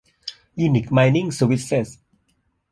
ยูนิค ไมนิ่ง เซอร์วิสเซส